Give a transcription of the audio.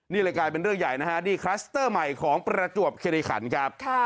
นี่เลยกลายเป็นเรื่องใหญ่นะฮะนี่คลัสเตอร์ใหม่ของประจวบคิริขันครับ